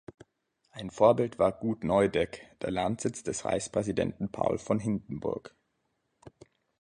Ein Vorbild war Gut Neudeck, der Landsitz des Reichspräsidenten Paul von Hindenburg.